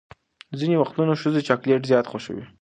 ځینې وختونه ښځې چاکلیټ زیات خوښوي.